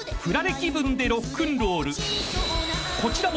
［こちらも］